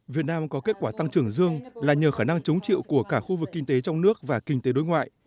việt nam có kết quả tăng trưởng dương là nhờ khả năng chống chịu của cả khu vực kinh tế trong nước và kinh tế đối ngoại